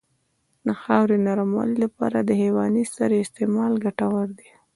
د خاورې نرموالې لپاره د حیواني سرې استعمال ګټور دی.